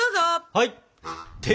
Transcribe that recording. はい！